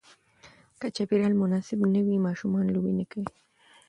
که چاپېریال مناسب نه وي، ماشومان لوبې نه کوي.